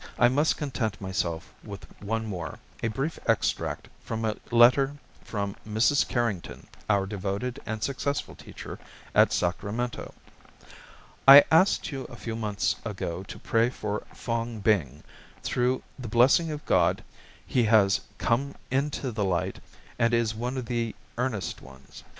I must content myself with one more, a brief extract from a letter from Mrs. Carrington, our devoted and successful teacher at Sacramento. "I asked you a few months ago to pray for Fong Bing. Through the blessing of God, he has come into the light, and is one of the earnest ones.